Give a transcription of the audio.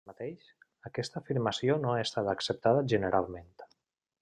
Tanmateix, aquesta afirmació no ha estat acceptada generalment.